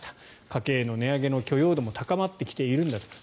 家計の値上げの許容度も高まってきているんだと。